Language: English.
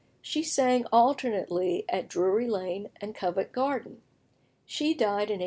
In 1801 2 she sang alternately at Drury Lane and Covent Garden. She died in 1818.